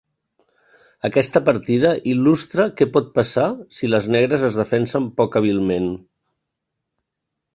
Aquesta partida il·lustra què pot passar si les negres es defensen poc hàbilment.